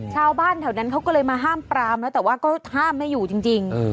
ชาวบ้านแถวนั้นเขาก็เลยมาห้ามปรามแล้วแต่ว่าก็ห้ามไม่อยู่จริง